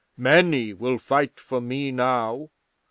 Many will fight for me now.